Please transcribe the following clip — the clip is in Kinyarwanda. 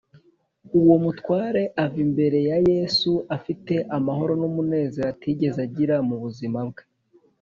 ” Uwo mutware ava imbere ya Yesu afite amahoro n’umunezero atigeze agira mu buzima bwe